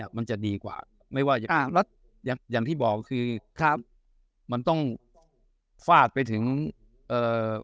อะมันจะดีกว่าไม่ว่าอย่างอย่างที่บอกคือครับมันต้องฝาดไปถึงเอ่อ